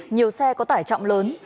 nhiều xe có tải trọng lớn